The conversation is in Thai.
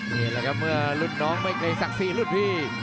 นี่แหละครับเมื่อรุ่นน้องไม่เคยศักดิ์ศรีรุ่นพี่